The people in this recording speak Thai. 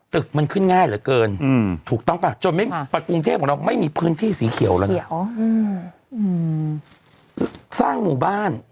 ตึกมันขึ้นง่ายเหลือเกินถูกต้องป่ะจนกรุงเทพของเราไม่มีพื้นที่สีเขียวแล้วนะสร้างหมู่บ้าน